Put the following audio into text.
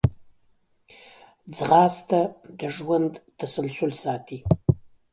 ځغاسته د ژوند تسلسل ساتي